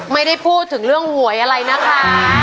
ไม่ได้พูดถึงเรื่องหวยอะไรนะคะ